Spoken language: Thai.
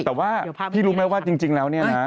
แต่ว่าพี่รู้ไหมว่าจริงแล้วเนี่ยนะ